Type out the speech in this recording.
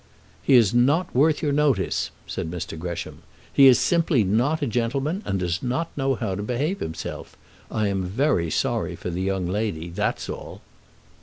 "He is not worth your notice," said Mr. Gresham. "He is simply not a gentleman, and does not know how to behave himself. I am very sorry for the young lady; that's all."